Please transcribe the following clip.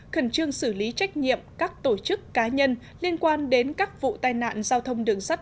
khẩn trương xử lý trách nhiệm các tổ chức cá nhân liên quan đến các vụ tai nạn giao thông đường sắt